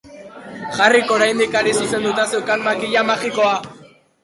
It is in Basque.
Harryk oraindik hari zuzendua zeukan makila magikoa.